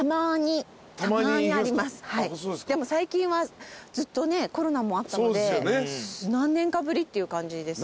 でも最近はずっとねコロナもあったので何年かぶりっていう感じですね。